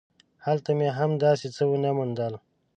هلته مې هم داسې څه ونه موندل.